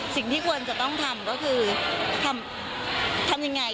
สิ่งที่ควรจะต้องทำก็คือทำยังไง